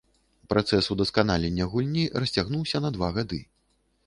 Працэс удасканалення гульні расцягнуўся на два гады.